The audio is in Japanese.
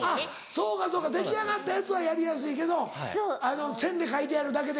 そうかそうか出来上がったやつはやりやすいけど線で描いてあるだけで。